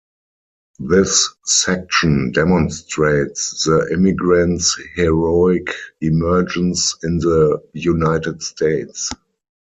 This section demonstrates the immigrants' heroic emergence in the United States.